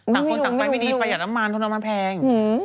ต่างคนต่างไปไม่ดีประหยัดอำมาตย์เท่าน้ำมานแพง